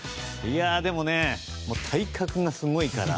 もう、体格がすごいから。